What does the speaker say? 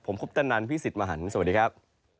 ผมคุปตะนันพี่สิทธิ์มหันฯสวัสดีครับ